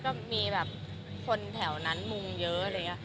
ก็มีแบบคนแถวนั้นมุ่งเยอะ